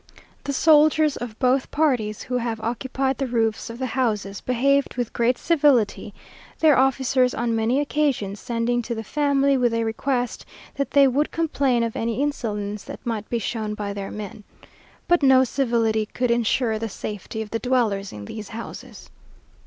The soldiers of both parties, who have occupied the roofs of the houses, behaved with great civility; their officers, on many occasions, sending to the family with a request that they would complain of any insolence that might be shown by their men. But no civility could ensure the safety of the dwellers in these houses.